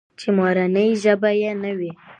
چې مورنۍ ژبه يې نه وي.